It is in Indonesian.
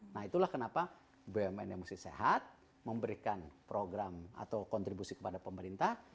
nah itulah kenapa bumn yang mesti sehat memberikan program atau kontribusi kepada pemerintah